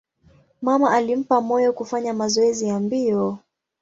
Mama alimpa moyo kufanya mazoezi ya mbio.